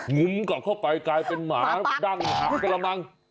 งุ้มก่อนเข้าไปเป็นหมาดั้งหามังปลากตีปั๊ก